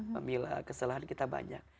pamila kesalahan kita banyak